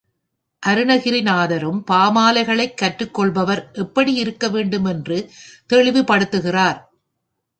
அருணகிரிநாதரும் பாமாலைகளைக் கற்றுக் கொள்பவர் எப்படி இருக்க வேண்டும் என்று தெளிவுபடுத்துகிறார்.